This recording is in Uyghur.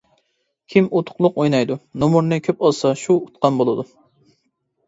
كىم ئۇتۇقلۇق ئويناپ، نومۇرنى كۆپ ئالسا، شۇ ئۇتقان بولىدۇ.